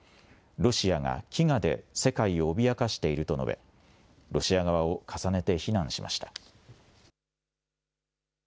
ロシアが飢餓で世界を脅かしていると述べ、ロシア側を重ねて非難しました。